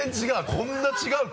こんな違うか？